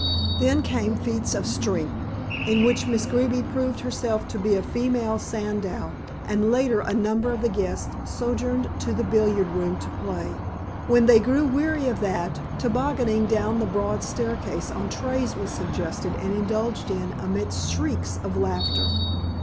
Then came feats of strength, in which Miss Greeby proved herself to be a female Sandow, and later a number of the guests sojourned to the billiard room to play. When they grew weary of that, tobogganing down the broad staircase on trays was suggested and indulged in amidst shrieks of laughter.